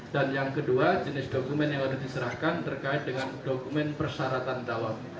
dan yang kedua jenis dokumen yang harus diserahkan terkait dengan dokumen persyaratan calon